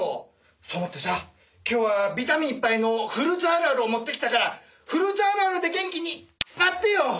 そう思ってさ今日はビタミンいっぱいのフルーツあるあるを持ってきたからフルーツあるあるで元気になってよ！」